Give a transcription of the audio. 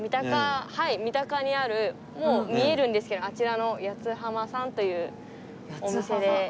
三鷹にあるもう見えるんですけどあちらの八つ浜さんというお店で。